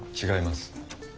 違います。